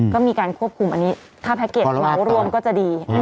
ก็มีการควบคุมอันนี้ถ้าแพ็กเกจเหมารวมก็จะดี